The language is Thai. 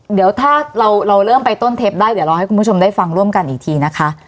เดี๋ยวถ้าเราเริ่มไปต้นเทปได้เดี๋ยวเราให้คุณผู้ชมได้ฟังร่วมกันอีกทีนะคะ